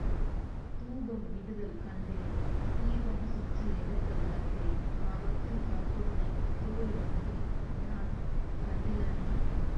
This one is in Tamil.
தூபம் இடுதல் கண்டேன் தீபம் சுற்றி எடுத்தல் கண்டேன் ஆபத்தில் காப்பவனைத் தோழி அங்கே யான் கண்டிலனே.